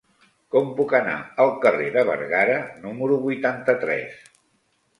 Com puc anar al carrer de Bergara número vuitanta-tres?